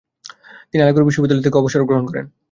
তিনি আলীগড় বিশ্ববিদ্যালয় থেকে অবসর গ্রহণ করেন।